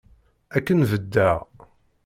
Akken beddeɣ.